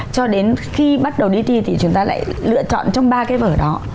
cho đến khi bắt đầu đi thi thì chúng ta lại lựa chọn trong ba cái vở đó